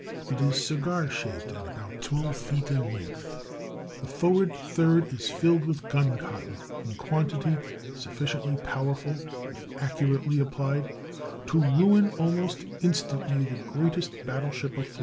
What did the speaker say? It is cigar shaped, and about twelve feet in length; the forward third is filled with gun cotton—in quantity sufficiently powerful, if accurately applied, to ruin almost instantly the greatest battle ship afloat.